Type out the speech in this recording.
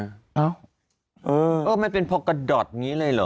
เอ้าเออมันเป็นพอกระดอดอย่างนี้เลยเหรอ